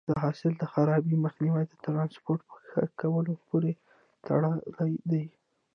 د حاصل د خرابي مخنیوی د ټرانسپورټ په ښه کولو پورې تړلی دی.